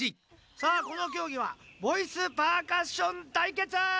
さあこのきょうぎはボイスパーカッション対決！